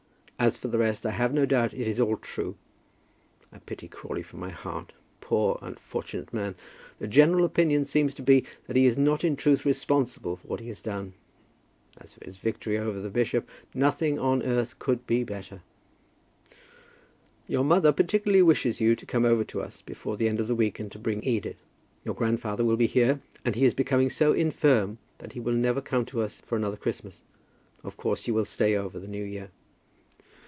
As for the rest, I have no doubt it is all true. I pity Crawley from my heart. Poor, unfortunate man! The general opinion seems to be that he is not in truth responsible for what he has done. As for his victory over the bishop, nothing on earth could be better. "Your mother particularly wishes you to come over to us before the end of the week, and to bring Edith. Your grandfather will be here, and he is becoming so infirm that he will never come to us for another Christmas. Of course you will stay over the new year."